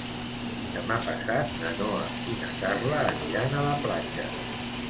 Demà passat na Noa i na Carla aniran a la platja.